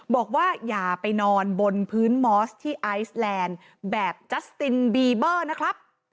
บอกว่าอย่าไปนอนบนพื้นมอสที่ไอซแลนด์แบบจัสตินบีเบอร์นะครับ